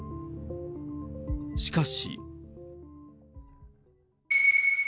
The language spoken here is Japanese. しかし。